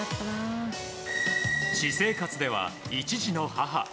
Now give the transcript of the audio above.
私生活では１児の母。